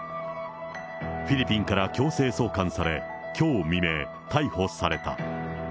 フィリピンから強制送還され、きょう未明、逮捕された。